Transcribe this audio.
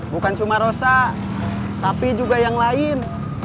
bukan cuma rosa tapi juga yang lain